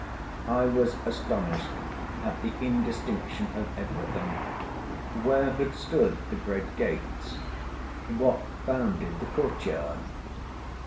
I was astonished at the indistinction of everything. Where had stood the great gates? What bounded the court yard?